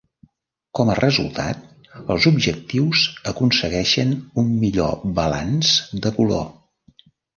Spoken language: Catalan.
Com a resultat els objectius aconsegueixen un millor balanç de color.